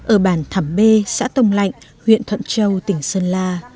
ở bản thảm bê xã tông lạnh huyện thuận châu tỉnh sơn la